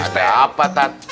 ternyata apa tat